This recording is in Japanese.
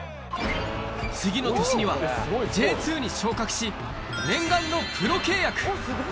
次の年にはＪ２に昇格し、念願のプロ契約。